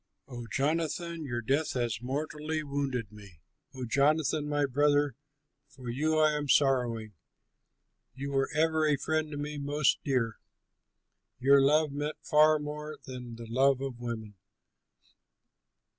"O Jonathan, your death has mortally wounded me, O Jonathan, my brother, for you I am sorrowing. You were ever a friend to me most dear, Your love meant far more than the love of women!